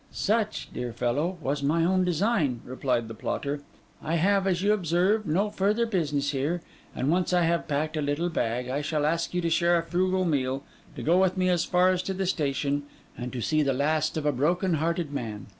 'Such, dear fellow, was my own design,' replied the plotter. 'I have, as you observe, no further business here; and once I have packed a little bag, I shall ask you to share a frugal meal, to go with me as far as to the station, and see the last of a broken hearted man.